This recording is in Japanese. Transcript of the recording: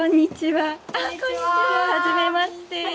はじめまして。